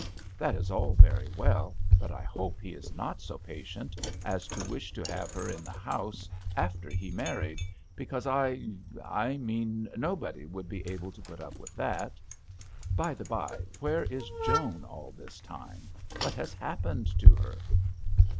" That is all very well, but I hope he is not so patient as to wish to have her in the house after he married, because I — I mean nobody would be able to put up with that. By the by where is Joan all this time ; what has happened to her